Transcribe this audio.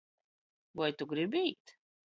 Voi tu gribi īt?